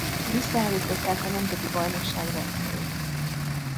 Visszaállították a nemzeti bajnokság rendszerét.